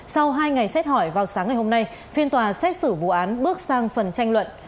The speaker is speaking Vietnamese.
sau hai ngày xét hỏi vào sáng ngày hôm nay phiên tòa xét xử vụ án bước sang phần tranh luận